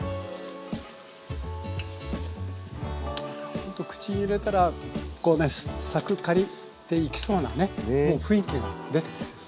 ほんと口に入れたらこうねサクッカリッていきそうなねもう雰囲気が出てますよね。